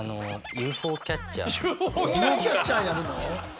ＵＦＯキャッチャーやるの？